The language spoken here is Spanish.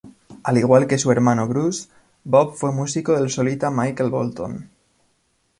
Al igual que su hermano Bruce, Bob fue músico del solista Michael Bolton.